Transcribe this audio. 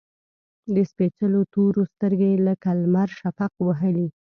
د سپیڅلو تورو، سترګې لکه لمر شفق وهلي